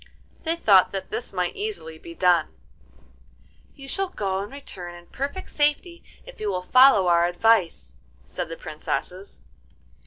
They thought that this might easily be done. 'You shall go and return in perfect safety if you will follow our advice,' said the Princesses.